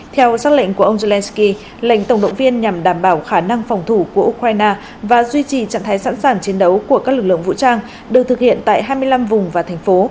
theo xác lệnh của ông zelensky lệnh tổng động viên nhằm đảm bảo khả năng phòng thủ của ukraine và duy trì trạng thái sẵn sàng chiến đấu của các lực lượng vũ trang được thực hiện tại hai mươi năm vùng và thành phố